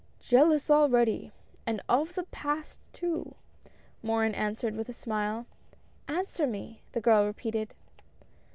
" Jealous already ? and of the Past too !" Morin answered, with a smile. Answer me," the girl repeated.